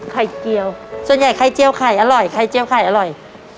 ไข่เจียวส่วนใหญ่ไข่เจียวไข่อร่อยไข่เจียวไข่อร่อย